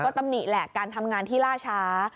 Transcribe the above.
ตำหนิแหละการทำงานที่ล่าช้า